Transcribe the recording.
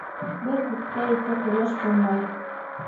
Бер күктә ике ҡояш булмай.